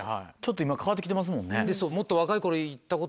今変わって来てますもんね。